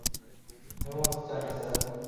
আমি মরতে চাই না, স্যার।